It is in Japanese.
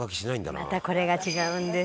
「またこれが違うんです。